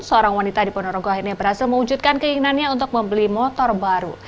seorang wanita di ponorogo akhirnya berhasil mewujudkan keinginannya untuk membeli motor baru